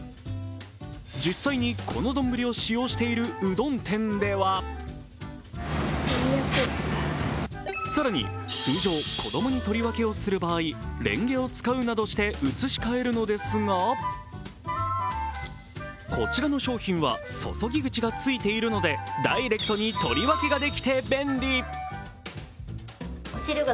実際にこの丼を使用しているうどん店では更に通常、子供に取り分けをする場合レンゲを使うなどして移しかえるのですがこちらの商品は注ぎ口がついているので、ダイレクトに取り分けができて便利。